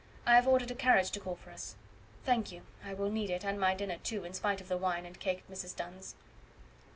I have ordered a carriage to call for us." "Thank you, I will need it, and my dinner, too, in spite of the wine and cake at Mrs. Dunn's."